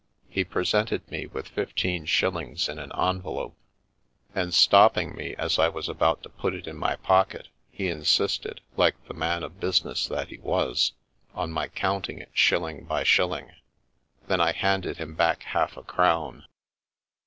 He presented me with fifteen shillings in an envelope, and stopping me as I was about to put it in my pocket, he insisted, like the man of business that he was, on my counting it shilling by shilling. Then I handed him back half a crown.